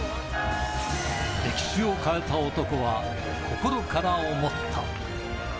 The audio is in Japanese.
歴史を変えた男は心から思った。